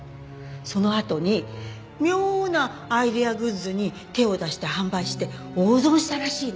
そのあとに妙なアイデアグッズに手を出して販売して大損したらしいの。